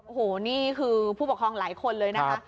โอ้โหนี่คือผู้ปกครองหลายคนเลยนะคะ